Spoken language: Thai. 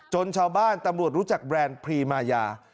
ชาวบ้านตำรวจรู้จักแบรนด์พรีมายา